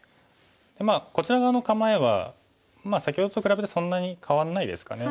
まあこちら側の構えは先ほどと比べてそんなに変わらないですかね。